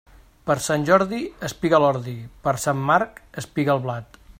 Per Sant Jordi espiga l'ordi, per Sant Marc espiga el blat.